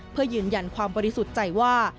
เพื่อยืนยันความบริสุทธิ์ใจว่า